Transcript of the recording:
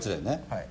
はい。